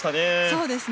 そうですね。